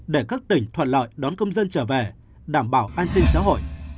để các tỉnh thuận lợi đón công dân trở về đảm bảo an sinh xã hội